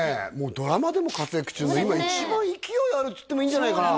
ドラマでも活躍中の今一番勢いあるっつってもいいんじゃないかな？